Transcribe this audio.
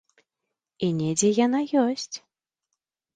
І недзе яна ёсць.